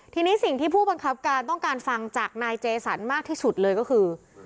ทีนี้สิ่งที่ผู้บังคับการต้องการฟังจากนายเจสันมากที่สุดเลยก็คือ